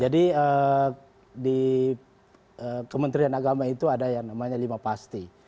jadi di kementerian agama itu ada yang namanya lima pasti